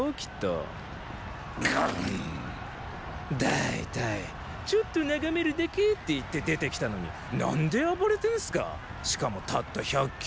大体ちょっと眺めるだけって言って出てきたのに何で暴れてんスかしかもたった百騎で。